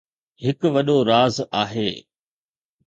هڪ وڏو راز آهي